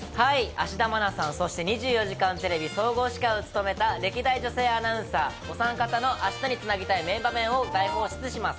芦田愛菜さん、そして２４時間テレビ総合司会を務めた歴代女性アナウンサー、お三方の明日につなぎたい名場面を大放出します。